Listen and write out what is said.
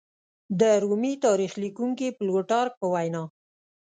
د رومي تاریخ لیکونکي پلوټارک په وینا